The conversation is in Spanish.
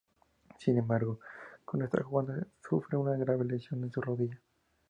Sin embargo, cuando está jugando, sufre una grave lesión en su rodilla.